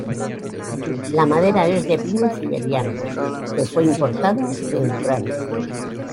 La madera es de pino siberiano que fue importada de Ucrania.